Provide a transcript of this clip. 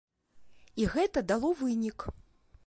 І гэта дало вынік.